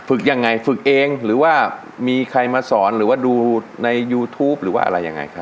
ยังไงฝึกเองหรือว่ามีใครมาสอนหรือว่าดูในยูทูปหรือว่าอะไรยังไงครับ